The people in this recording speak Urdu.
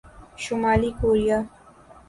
شمالی کوریا